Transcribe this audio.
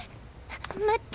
待って。